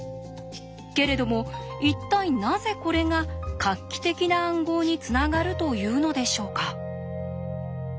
けれども一体なぜこれが画期的な暗号につながるというのでしょうか。